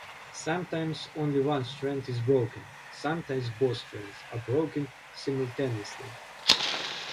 Sometimes only one strand is broken, sometimes both strands are broken simultaneously.